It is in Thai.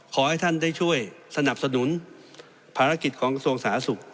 ขอให้ท่านได้ช่วยสนับสนุนภารกิจของกระทรวงสาธารณสุข